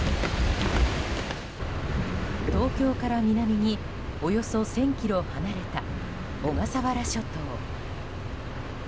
東京から南におよそ１０００ｋｍ離れた小笠原諸島。